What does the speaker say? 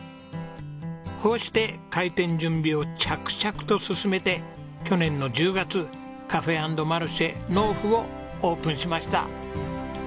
こうして開店準備を着々と進めて去年の１０月ｃａｆｅ＆ｍａｒｃｈｅｎｆｕをオープンしました。